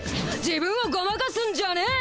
自分をごまかすんじゃねえ！